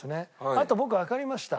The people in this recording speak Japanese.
あと僕わかりました。